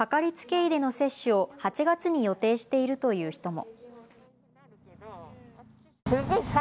医での接種を８月に予定しているという人も。